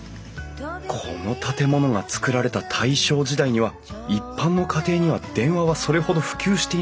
この建物が造られた大正時代には一般の家庭には電話はそれほど普及していなかったはず。